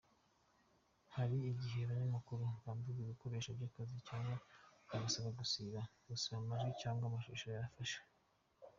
Hari igihe abanyamakuru bamburwa ibikoresho by’akazi cyangwa bagasabwa gusiba amajwi cyangwa amashusho bafashe.